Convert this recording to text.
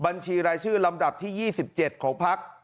บัญชีรายชื่อลำดับที่๒๗ของพัก